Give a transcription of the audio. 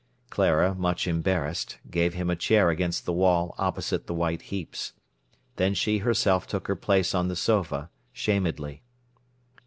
Clara, much embarrassed, gave him a chair against the wall opposite the white heaps. Then she herself took her place on the sofa, shamedly.